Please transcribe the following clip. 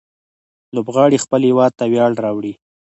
لوبغاړي خپل هيواد ته ویاړ راوړي.